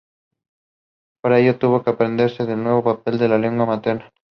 Para ello tuvo que aprenderse de nuevo el papel en su lengua materna.